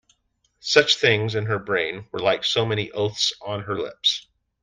Such things in her brain were like so many oaths on her lips.